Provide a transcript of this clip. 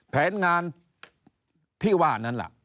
แผนงานที่ว่านั้นล่ะ